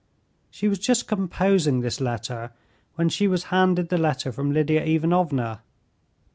She was just composing this letter when she was handed the letter from Lidia Ivanovna.